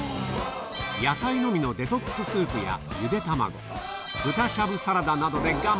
野菜のみのデトックススープやゆで卵、豚しゃぶサラダなどで我慢。